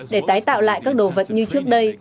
để tái tạo lại các đồ vật như trước đây